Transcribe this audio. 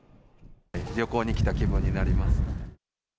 旅行に来た気分になります。